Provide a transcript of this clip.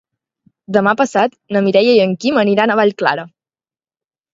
Demà passat na Mireia i en Quim aniran a Vallclara.